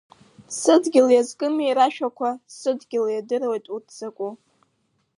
Сыдгьыл иазкыми рашәақәа, сыдгьыл иадыруеит урҭ закәу.